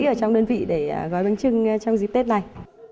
ở trong đơn vị để gói bánh trưng trong dịp tết này